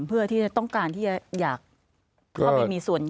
เพื่อที่จะต้องการอยากเข้าไปมีส่วน